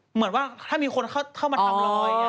เหมือนว่าถ้ามีคนเข้ามาทำรอย